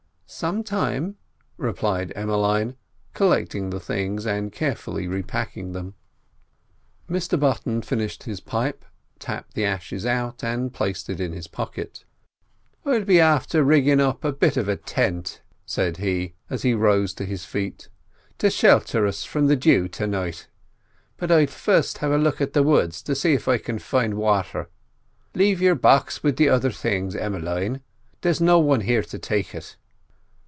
"Some time," replied Emmeline, collecting the things, and carefully repacking them. Mr Button finished his pipe, tapped the ashes out, and placed it in his pocket. "I'll be afther riggin' up a bit of a tint," said he, as he rose to his feet, "to shelter us from the jew to night; but I'll first have a look at the woods to see if I can find wather. Lave your box with the other things, Emmeline; there's no one here to take it."